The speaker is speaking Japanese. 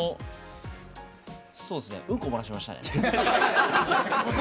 うんこ、漏らしましたね。